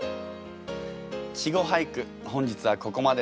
稚語俳句本日はここまでです。